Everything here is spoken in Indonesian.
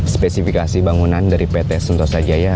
spesifikasi bangunan dari pt sentosa jaya